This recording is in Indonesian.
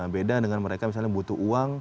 beda dengan mereka misalnya butuh uang